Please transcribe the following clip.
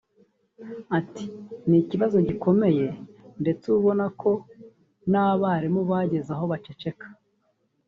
Ati “Ni ikibazo gikomeye ndetse ubu ubona ko n’abarimu bageze aho bagaceceka